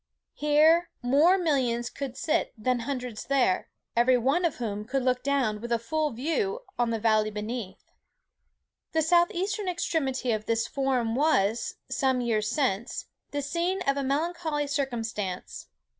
Here more millions could sit than hundreds there; every one of whom could look down with a full view on the valley beneath. "The south eastern extremity of this form was, some years since, the scene of a melancholy circumstance.